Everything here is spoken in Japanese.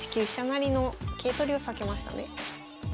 成の桂取りを避けましたね。